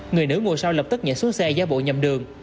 người nữ ngồi sau lập tức nhảy xuống xe ra bộ nhầm đường